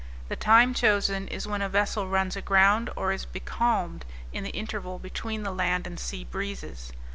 The time chosen is when a vessel runs aground, or is becalmed, in the interval between the land and sea breezes.